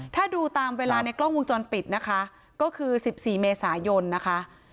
ถ้าดูตามเวลาในกล้องวงจรปิดนะคะก็คือ๑๔เมษายนนะคะ